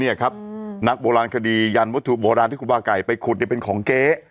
นี่ครับนักโบราณคดียันวัตถุโบราณที่ครูบาไก่ไปขุดเนี่ยเป็นของเก๊